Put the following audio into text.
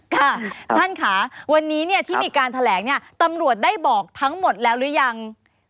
ค่ะท่านค่ะวันนี้เนี่ยที่มีการแถลงเนี่ยตำรวจได้บอกทั้งหมดแล้วหรือยัง